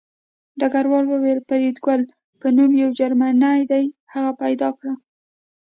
ډګروال وویل فریدګل په نوم یو جرمنی دی هغه پیدا کړه